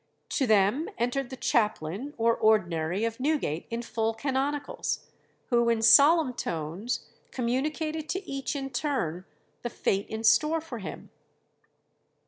To them entered the chaplain or ordinary of Newgate in full canonicals, who in solemn tones communicated to each in turn the fate in store for him.